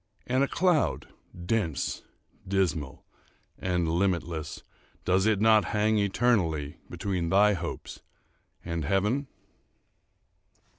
—and a cloud, dense, dismal, and limitless, does it not hang eternally between thy hopes and heaven?